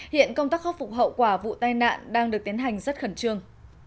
hiện công tác khắc phục hậu quả vụ tai nạn đang được tiến hành rất khẩn trương